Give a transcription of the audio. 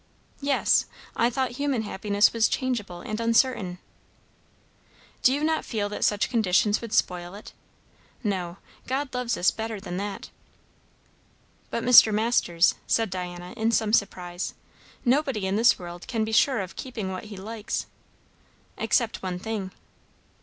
"Yes. I thought human happiness was changeable and uncertain." "Do you not feel that such conditions would spoil it? No; God loves us better than that." "But, Mr. Masters," said Diana in some surprise, "nobody in this world can be sure of keeping what he likes?" "Except one thing."